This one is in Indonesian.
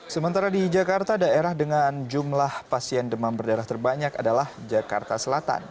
sementara di jakarta daerah dengan jumlah pasien demam berdarah terbanyak adalah jakarta selatan